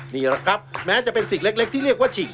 นี่แหละครับแม้จะเป็นสิ่งเล็กที่เรียกว่าฉิก